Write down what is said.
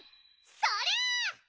そりゃ！